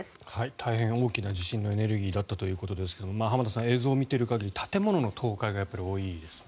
大変大きな地震のエネルギーだったということですが浜田さん、映像を見てる限り建物の倒壊がやっぱり多いですね。